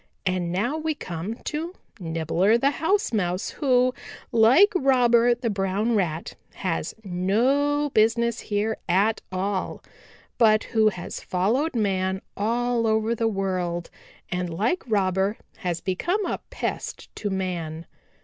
And now we come to Nibbler the House Mouse, who, like Robber the Brown Rat, has no business here at all, but who has followed man all over the world and like Robber has become a pest to man."